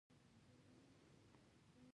زه اوس له کندهاره په زرو کیلومتره لیرې یم.